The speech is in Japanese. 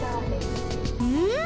うん？